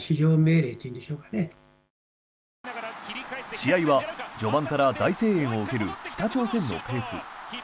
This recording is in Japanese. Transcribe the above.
試合は序盤から大声援を受ける北朝鮮のペース。